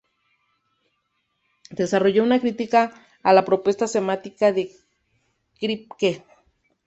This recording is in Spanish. Desarrolló una crítica a la propuesta semántica de Kripke.